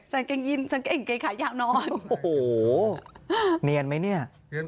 ซั้นเกงยินซั้นเก่งเก๋ขายาวนอนโอ้โหเนียนไหมเนี้ย